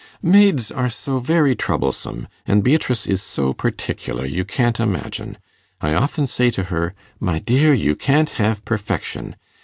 'Maids are so very troublesome, and Beatrice is so particular, you can't imagine. I often say to her, "My dear, you can't have perfection."